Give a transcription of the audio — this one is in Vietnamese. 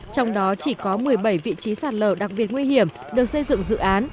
trong đó chỉ có một mươi bảy vị trí sạt lở đặc biệt nguy hiểm được xây dựng dự án